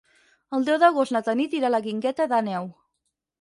El deu d'agost na Tanit irà a la Guingueta d'Àneu.